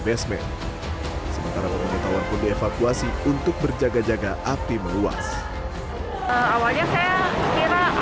basement sementara penyelidikan pun dievakuasi untuk berjaga jaga api meluas awalnya saya kira